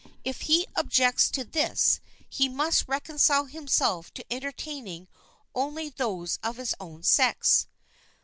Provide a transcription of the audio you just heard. If he object to this, he must reconcile himself to entertaining only those of his own sex.